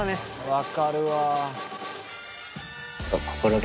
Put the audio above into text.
分かるわ。